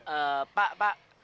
eh pak pak